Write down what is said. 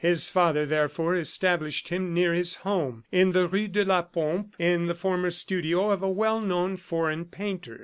His father, therefore, established him near his home, in the rue de la Pompe in the former studio of a well known foreign painter.